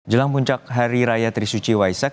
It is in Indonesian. jelang puncak hari raya trisuci waisak